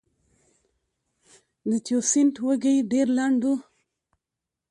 د تیوسینټ وږی ډېر لنډ و